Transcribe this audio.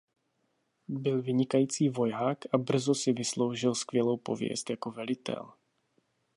Byl vynikající voják a brzo si vysloužil skvělou pověst jako velitel.